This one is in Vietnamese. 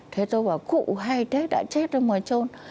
thế tôi bảo cụ hay thế đã chết rồi mà trôn